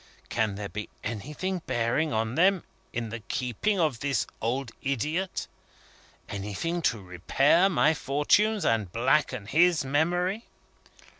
Can there be anything bearing on them, in the keeping of this old idiot? Anything to repair my fortunes, and blacken his memory?